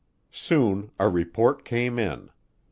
Soon a report came in.